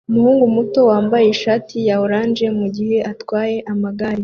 umuhungu muto wambaye ishati ya orange mugihe atwaye amagare